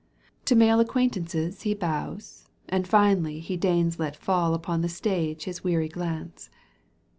To male acquaintances he bows, And finally he deigns let faU Upon the stage his weary glance.